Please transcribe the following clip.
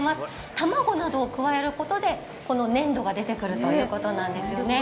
卵などを加えることで粘度が出てくるということなんです。